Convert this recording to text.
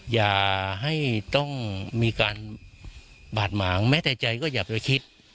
อย่าให้ต้องมีการบาดหมางแม้แต่ใจก็อย่าไปคิด